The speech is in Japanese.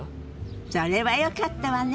それはよかったわね。